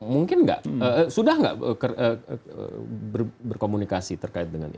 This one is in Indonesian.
mungkin enggak sudah enggak berkomunikasi terkait dengan itu